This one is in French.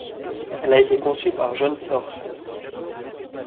Elle a été conçue par John Thorpe.